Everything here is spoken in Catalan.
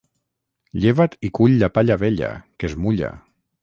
Lleva't i cull la palla vella que es mulla.